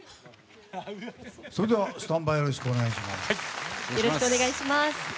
それではスタンバイよろしくお願いします。